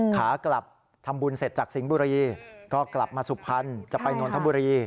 ขากลับทำบุญเสร็จจากสิงห์บุรีก็กลับมาสุพรรณจะไปนนทบุรี